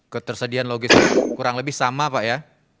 ketersediaan logistik kurang lebih sama pak ya